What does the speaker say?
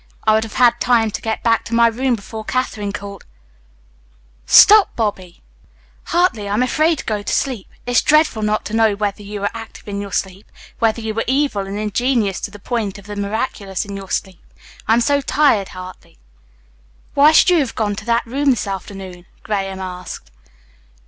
I would have had time to get back to my room before Katherine called " "Stop, Bobby!" "Hartley! I'm afraid to go to sleep. It's dreadful not to know whether you are active in your sleep, whether you are evil and ingenious to the point of the miraculous in your sleep. I'm so tired, Hartley." "Why should you have gone to that room this afternoon?" Graham asked.